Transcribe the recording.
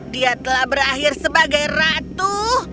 dia telah berakhir sebagai ratu